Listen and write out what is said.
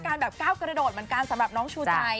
แบบก้าวกระโดดเหมือนกันสำหรับน้องชูใจ